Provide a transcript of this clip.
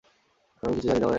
আমি কিছু জানি না মানে?